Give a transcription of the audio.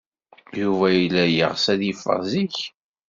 Yuba yella yeɣs ad yeffeɣ zik.